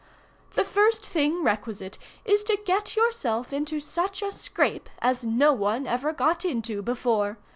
"The first thing requisite is to get yourself into such a scrape as no one ever got into before.